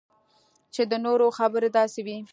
چې د نورو خبرې داسې وي